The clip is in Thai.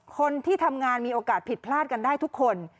คนที่ทำงานมีโอกาสผิดพลาดกันได้ทุกคน